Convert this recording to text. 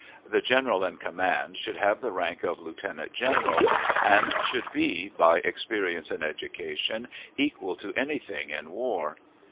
The general in command should have the rank of lieutenant general, and should be, by experience and education, equal to any thing in war.